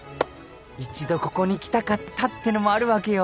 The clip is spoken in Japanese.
一度ここに来たかったってのもあるわけよ。